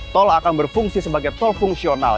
tol akan berfungsi sebagai tol fungsional